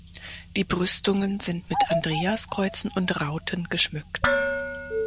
Die Brüstungen sind mit Andreaskreuzen und Rauten geschmückt.